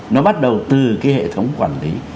nó bắt đầu từ cái hệ thống quản lý